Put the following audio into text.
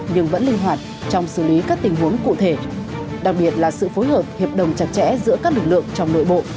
nhưng vẫn linh hoạt trong xử lý các tình huống cụ thể đặc biệt là sự phối hợp hiệp đồng chặt chẽ giữa các lực lượng trong nội bộ